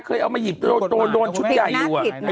เคยเอามาหยิบโลโตโดนชุดใหญ่อยู่